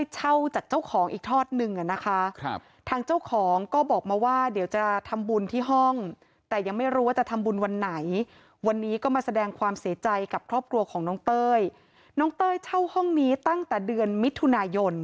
ใจกับครอบครัวของน้องเต้ยน้องเต้ยเช่าห้องนี้ตั้งแต่เดือนมิถุนายน